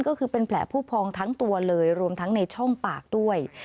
ก็คือเป็นแผลผู้พองทั้งตัวเลยรวมทั้งในช่องปากด้วย